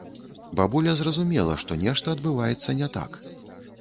Бабуля зразумела, што нешта адбываецца не так.